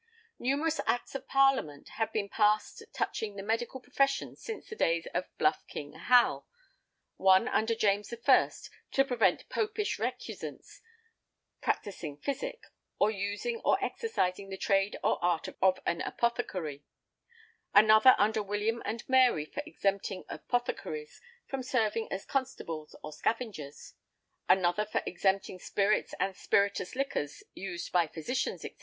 Numerous Acts of Parliament have been passed touching the medical profession since the days of "Bluff King Hal," |11| one under James I. to prevent popish recusants practising physic, or using or exercising the trade or art of an apothecary; another under William and Mary for exempting apothecaries from serving as constables or scavengers; another for exempting spirits and spirituous liquours used by physicians, &c.